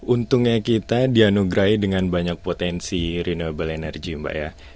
untungnya kita dianugerahi dengan banyak potensi renewable energy mbak ya